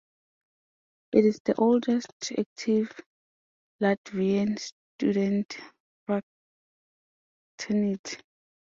It is the oldest active Latvian student fraternity.